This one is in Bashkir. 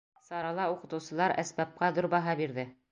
— Сарала уҡытыусылар әсбапҡа ҙур баһа бирҙе.